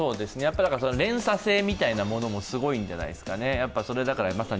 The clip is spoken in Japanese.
連鎖性みたいなものもすごいんじゃないですかね。